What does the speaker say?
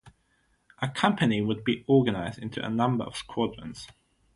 A company would be organised into a number of squadrons.